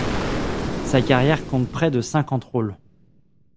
Sa carrière compte près de cent-cinquante rôles.